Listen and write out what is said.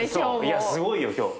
いやすごいよ今日。